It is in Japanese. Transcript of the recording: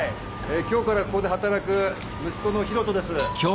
今日からここで働く息子の広翔です。